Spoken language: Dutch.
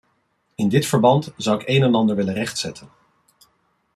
In dit verband zou ik een en ander willen rechtzetten.